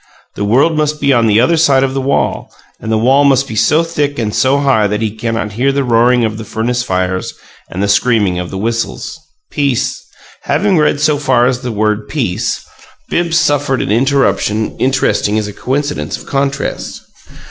The world must be on the other side of the wall, and the wall must be so thick and so high that he cannot hear the roaring of the furnace fires and the screaming of the whistles. Peace Having read so far as the word "peace," Bibbs suffered an interruption interesting as a coincidence of contrast.